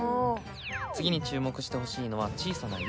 次に注目してほしいのは小さな「ゆ」。